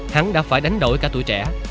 hắn đã phải đánh đổi cả tuổi trẻ